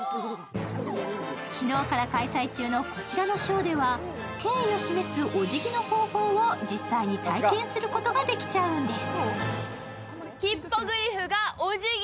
昨日から開催中のこちらのショーでは敬意を示すおじぎの方法を実際に体験することができちゃうんです。